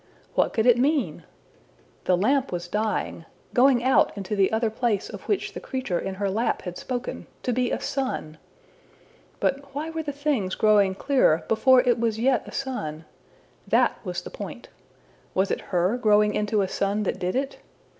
What could it mean? The lamp was dying going out into the other place of which the creature in her lap had spoken, to be a sun! But why were the things growing clearer before it was yet a sun? That was the point. Was it her growing into a sun that did it?